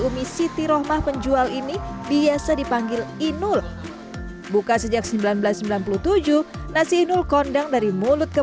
umi siti rohmah penjual ini biasa dipanggil inul buka sejak seribu sembilan ratus sembilan puluh tujuh nasi inul kondang dari mulut ke